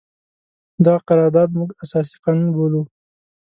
دغه قرارداد موږ اساسي قانون بولو.